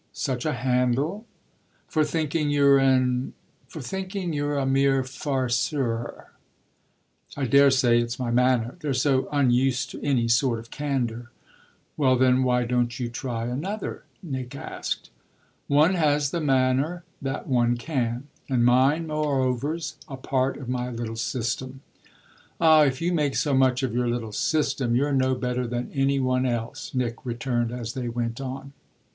"Such a handle?" "For thinking you're an for thinking you're a mere farceur." "I daresay it's my manner: they're so unused to any sort of candour." "Well then why don't you try another?" Nick asked. "One has the manner that one can, and mine moreover's a part of my little system." "Ah if you make so much of your little system you're no better than any one else," Nick returned as they went on.